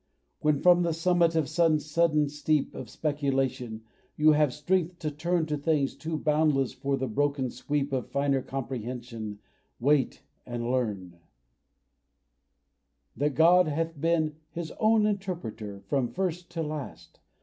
When from the summit of some sudden steep Of speculation you have strength to turn To things too boundless for the broken sweep Of finer comprehension, wait and learn That God hath been "His own interpreter" From first to last.